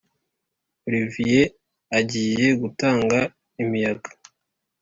oliviye agiye gutanga imiyaga